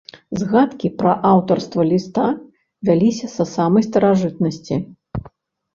Згадкі пра аўтарства ліста вяліся са самай старажытнасці.